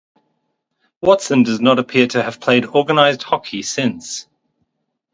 Watson does not appear to have played organized hockey since.